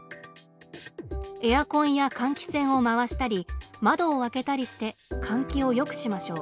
エアコンや換気扇を回したり窓を開けたりして換気をよくしましょう。